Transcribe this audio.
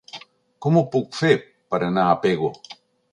Com ho puc fer per anar a Pego?